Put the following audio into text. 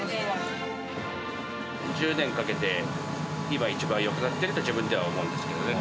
１０年かけて、今一番よくなっているとは自分では思うんですけどね。